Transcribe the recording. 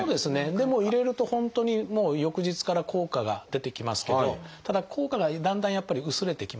でも入れると本当に翌日から効果が出てきますけどただ効果がだんだんやっぱり薄れてきます。